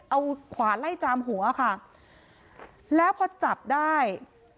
เอาขวาไล่จามหัวค่ะแล้วพอจับได้